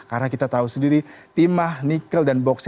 karena kita tahu sendiri timah nikel dan boksit